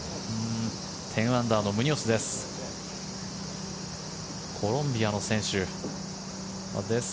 １０アンダーのムニョスです。